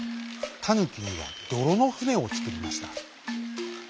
タヌキにはどろのふねをつくりました。